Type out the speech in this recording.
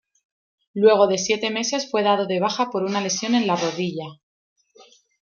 Luego de siete meses fue dado de baja por una lesión en la rodilla.